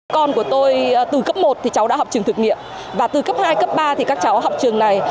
con của tôi từ cấp một thì cháu đã học trường thực nghiệm và từ cấp hai cấp ba thì các cháu học trường này